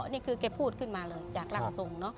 นี่คือแกพูดขึ้นมาเลยจากร่างทรงเนอะ